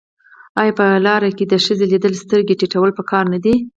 آیا په لار کې د ښځې لیدل سترګې ټیټول پکار نه دي؟